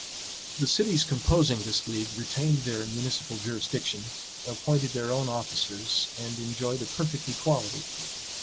The cities composing this league retained their municipal jurisdiction, appointed their own officers, and enjoyed a perfect equality.